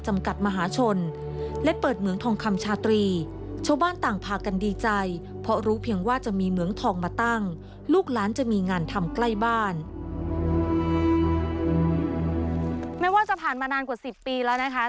แม้ว่าจะผ่านมานานกว่า๑๐ปีแล้วนะคะ